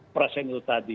persen itu tadi